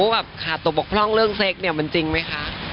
แบบขาดตัวบกพร่องเรื่องเซ็กเนี่ยมันจริงไหมคะ